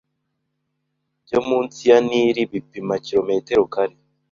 byo munsi ya Nili bipima kilometero kare